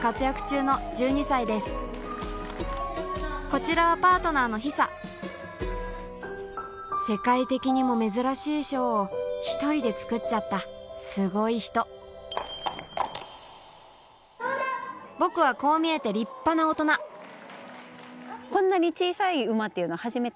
こちらはパートナーのひさ世界的にも珍しいショーを１人で作っちゃったすごい人僕はこう見えて立派な大人ハッハハハ。